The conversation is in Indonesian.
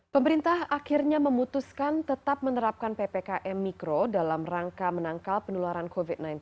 pemerintah akhirnya memutuskan tetap menerapkan ppkm mikro dalam rangka menangkal penularan covid sembilan belas